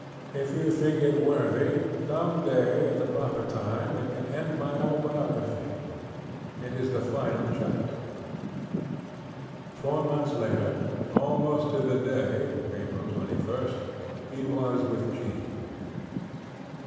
If you think it worthy, some dayŌĆöat the proper timeŌĆöit can end my autobiography. It is the final chapter. ŌĆØ Four months laterŌĆöalmost to the dayŌĆö(April 21st) he was with Jean.